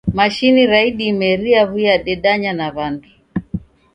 Mashini ra idime riaw'iadedanya na w'andu